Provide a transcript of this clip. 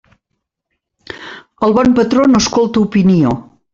El bon patró no escolta opinió.